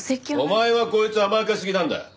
お前はこいつを甘やかしすぎなんだ。